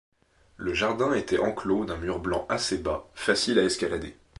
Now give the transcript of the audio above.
Le jardin était enclos d’un mur blanc assez bas, facile à escalader.